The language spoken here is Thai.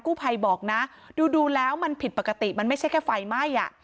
ภัยบอกนะดูดูแล้วมันผิดปกติมันไม่ใช่แค่ไฟไหม้อ่ะ